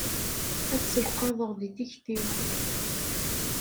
Ad selqaḍeɣ di tikti-w.